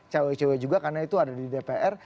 cewek cewek juga karena itu ada di dpr